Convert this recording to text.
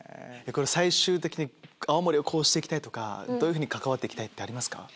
最終的に青森をこうして行きたいとかどう関わって行きたいってありますか？